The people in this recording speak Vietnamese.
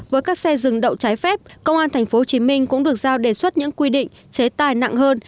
với các xe dừng đậu trái phép công an tp hcm cũng được giao đề xuất những quy định chế tài nặng hơn